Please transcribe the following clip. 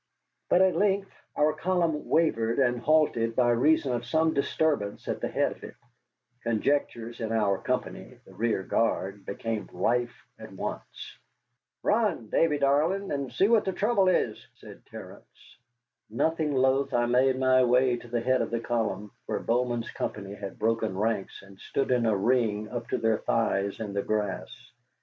But at length our column wavered and halted by reason of some disturbance at the head of it. Conjectures in our company, the rear guard, became rife at once. "Run, Davy darlin,' an' see what the throuble is," said Terence. Nothing loath, I made my way to the head of the column, where Bowman's company had broken ranks and stood in a ring up to their thighs in the grass.